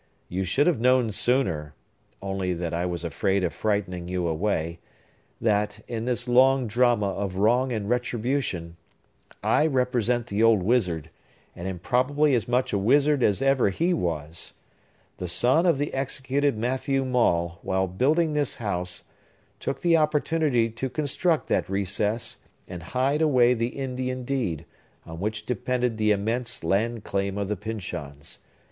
You should have known sooner (only that I was afraid of frightening you away) that, in this long drama of wrong and retribution, I represent the old wizard, and am probably as much a wizard as ever he was. The son of the executed Matthew Maule, while building this house, took the opportunity to construct that recess, and hide away the Indian deed, on which depended the immense land claim of the Pyncheons.